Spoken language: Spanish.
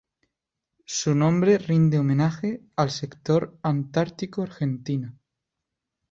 Su nombre rinde homenaje al Sector Antártico Argentino.